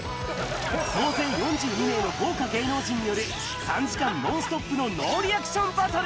総勢４２名の豪華芸能人による、３時間ノンストップのノーリアクションバトル。